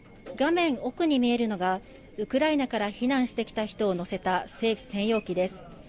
画面奥に見えるのがウクライナから避難してきた人を乗せた政府専用機です。